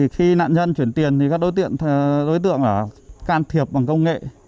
khi nạn nhân chuyển tiền các đối tượng can thiệp bằng công nghệ